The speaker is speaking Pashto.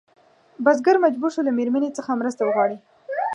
بزګر مجبور شو له مېرمنې څخه مرسته وغواړي.